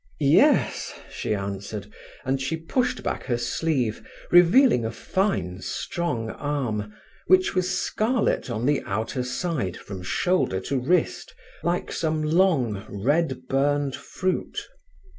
"Yes," she answered, and she pushed back her sleeve, revealing a fine, strong arm, which was scarlet on the outer side from shoulder to wrist, like some long, red burned fruit.